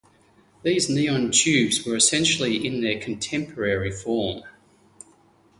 These neon tubes were essentially in their contemporary form.